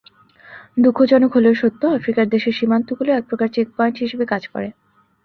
দুঃখজনক হলেও সত্য, আফ্রিকার দেশের সীমান্তগুলো একপ্রকার চেকপয়েন্ট হিসেবে কাজ করে।